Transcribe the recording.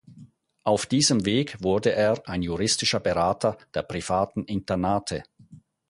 Auf diesem Weg wurde er ein juristischer Berater der privaten Internate.